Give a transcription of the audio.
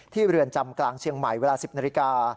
เรือนจำกลางเชียงใหม่เวลา๑๐นาฬิกา